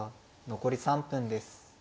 残り３分です。